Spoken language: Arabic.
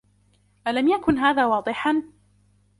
الم یکن هذا واضحا ؟